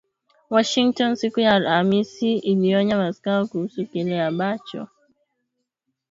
Washington siku ya Alhamisi iliionya Moscow kuhusu kile ambacho